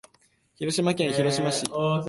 広島県広島市